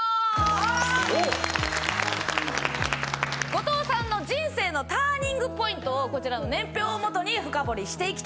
後藤さんの人生のターニングポイントをこちらの年表をもとに深掘りしていきたいと思います。